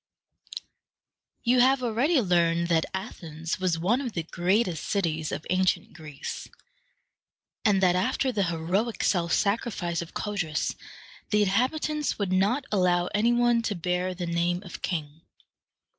You have already learned that Athens was one of the greatest cities of ancient Greece, and that after the heroic self sacrifice of Codrus the inhabitants would not allow any one to bear the name of king.